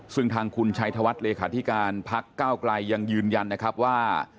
ซึ่งทางคุณชัยธวัฒน์เลขาธิการพักก้าวไกลยังยืนยันนะครับว่า